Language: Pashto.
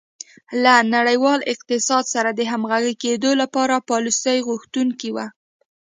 له نړیوال اقتصاد سره د همغږي کېدو لپاره پالیسیو غوښتونکې وه.